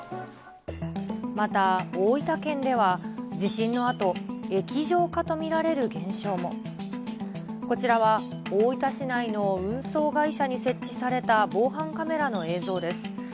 また、大分県では地震のあと、液状化と見られる現象も。こちらは大分市内の運送会社に設置された防犯カメラの映像です。